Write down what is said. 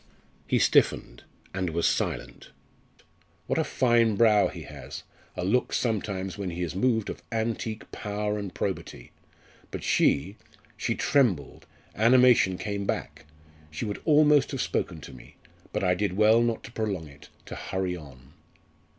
He stiffened and was silent. What a fine brow he has a look sometimes, when he is moved, of antique power and probity! But she she trembled animation came back. She would almost have spoken to me but I did well not to prolong it to hurry on."